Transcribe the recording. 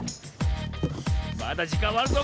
まだじかんはあるぞ！